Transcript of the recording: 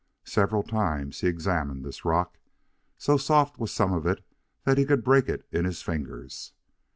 Several times he examined this rock. So soft was some of it that he could break it in his fingers.